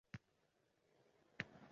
Endi kelin olish arafasidaman